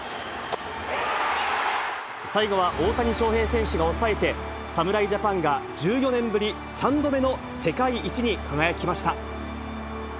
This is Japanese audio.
最後は大谷翔平選手が抑えて、侍ジャパンが１４年ぶり３度目の世界一に輝きました。